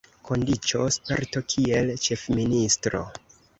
Kondiĉo: sperto kiel ĉefministro.